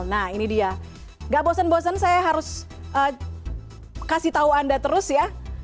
nah ini dia gak bosen bosen saya harus kasih tahu anda terus ya